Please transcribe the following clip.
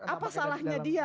apa salahnya dia